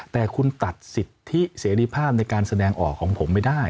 แต่คุณตัดสิทธิเสรีภาพในการแสดงออกของผมไม่ได้